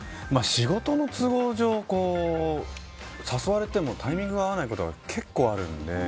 仕事の都合上、誘われてもタイミングが合わないことが結構あるので。